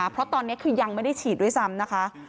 เพราะตอนนี้คือยังไม่ได้ฉีดด้วยซ้ำนะคะ